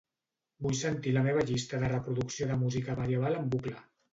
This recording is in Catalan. Vull sentir la meva llista de reproducció de Música Medieval en bucle.